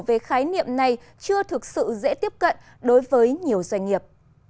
về khái niệm này chưa thực sự dễ tiếp cận đối với nhiều doanh nghiệp